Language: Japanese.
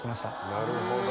なるほど。